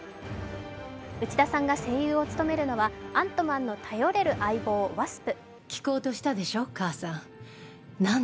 内田さんが声優を務めるのはアントマンの頼れる相棒ワスプ。